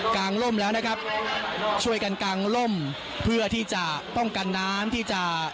งล่มแล้วนะครับช่วยกันกางล่มเพื่อที่จะป้องกันน้ำที่จะ